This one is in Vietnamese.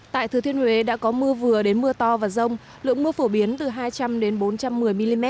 tại thừa thiên huế đã có mưa vừa đến mưa to và rông lượng mưa phổ biến từ hai trăm linh bốn trăm một mươi mm